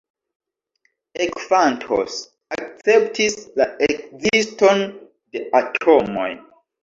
Ekfantos akceptis la ekziston de atomoj.